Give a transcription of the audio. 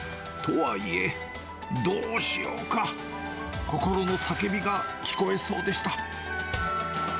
とはいえ、どうしようか、心の叫びが聞こえそうでした。